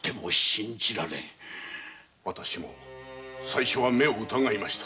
わたしも最初は目を疑いました。